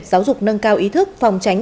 giáo dục nâng cao ý thức phòng tránh